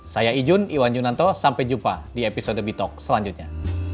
saya ijun iwan junanto sampai jumpa di episode bi talk selanjutnya